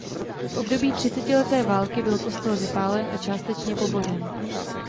V období třicetileté války byl kostel vypálen a částečně pobořen.